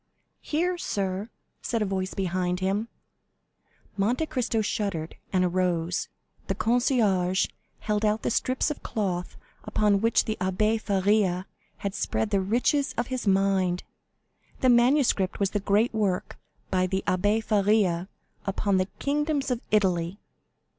"Here, sir," said a voice behind him. Monte Cristo shuddered, and arose. The concierge held out the strips of cloth upon which the Abbé Faria had spread the riches of his mind. The manuscript was the great work by the Abbé Faria upon the kingdoms of Italy.